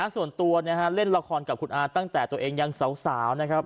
ส่วนตัวเล่นละครกับคุณอาตั้งแต่ตัวเองยังสาวนะครับ